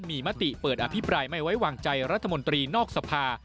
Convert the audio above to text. มีมติเปิดอภิปรายไม่ไว้วางใจรัฐมนตรีนอกสภา